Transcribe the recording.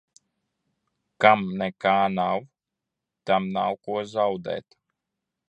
Kam nekā nav, tam nav ko zaudēt.